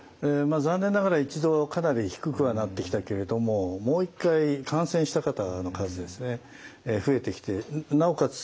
残念ながら一度かなり低くはなってきたけれどももう一回感染した方の数ですね増えてきてなおかつ